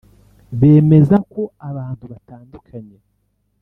bemeza ko abantu batandukanye